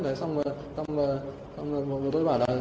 đấy xong bố tôi bảo là